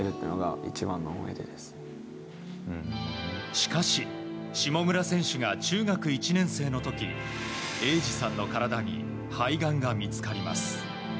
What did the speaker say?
しかし、下村選手が中学１年生の時栄司さんの体に肺がんが見つかります。